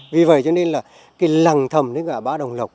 vì vậy cho nên là cái lằng thầm nơi ngã ba đồng lộc